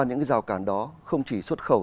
những rào cản đó không chỉ xuất khẩu